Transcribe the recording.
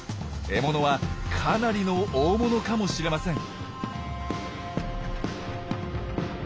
獲物はかなりの大物かもしれません。